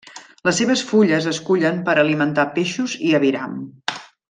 Les seves fulles es cullen per alimentar peixos i aviram.